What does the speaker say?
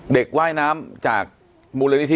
ว่ายน้ำจากมูลนิธิ